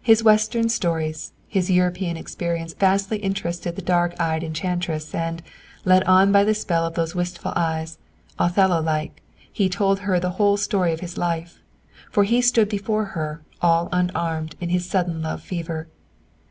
His Western stories, his European experiences vastly interested the dark eyed enchantress, and, led on by the spell of those wistful eyes Othello like he told her the whole story of his life. For he stood before her, all unarmed in his sudden love fever.